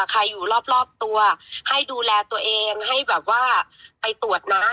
ใครอยู่รอบตัวให้ดูแลตัวเองให้แบบว่าไปตรวจนะ